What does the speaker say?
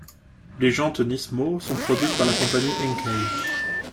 Les jantes Nismo sont produites par la compagnie Enkei.